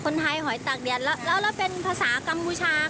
คนไทยหอยตักแดดแล้วเราเป็นภาษากัมบูชาค่ะ